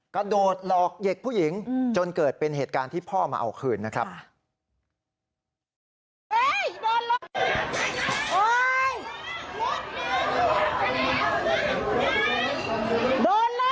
กระโดดหลอกเด็กผู้หญิงจนเกิดเป็นเหตุการณ์ที่พ่อมาเอาคืนนะครับ